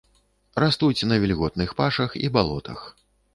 Растуць на вільготных пашах і балотах.